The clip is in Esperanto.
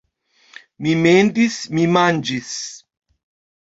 Mi mendis... mi manĝis